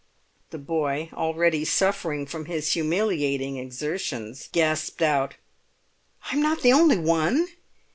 The boy, already suffering from his humiliating exertions, gasped out, "I'm not the only one!"